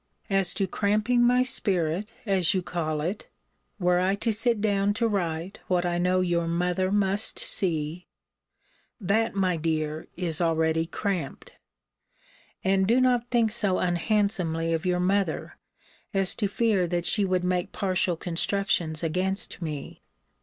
As to cramping my spirit, as you call it, (were I to sit down to write what I know your mother must see,) that, my dear, is already cramped. And do not think so unhandsomely of your mother, as to fear that she would make partial constructions against me.